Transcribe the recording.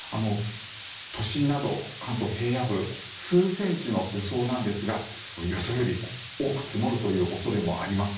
都心など関東平野部数センチの予想なんですが予想より多く積もるという恐れもあります。